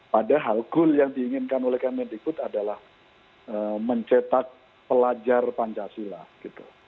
padahal goal yang diinginkan oleh kemendikbud adalah mencetak pelajar pancasila gitu